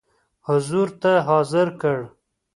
حضور ته حاضر کړ.